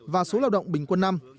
và số lao động bình quân năm